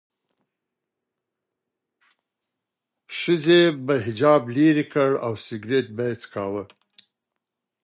ښځې به حجاب لرې کړ او سیګرټ به څکاوه.